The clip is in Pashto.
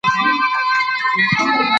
دا حالت د دماغ د بندېدو نښې ښيي.